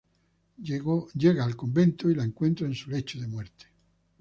Llega al convento y la encuentra en su lecho de muerte.